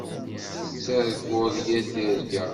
Tettarguḍ yir tirga.